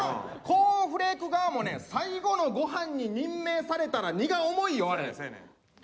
コーンフレーク側もね最後のご飯に任命されたら荷が重いよあれ。